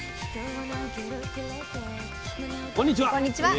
こんにちは。